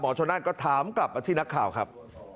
ชนนั่นก็ถามกลับมาที่นักข่าวครับ